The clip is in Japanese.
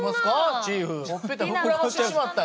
ほっぺた膨らましてしまったよ。